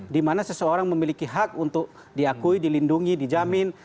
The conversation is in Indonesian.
dimana seseorang memiliki hak untuk diakui dilindungi dijamin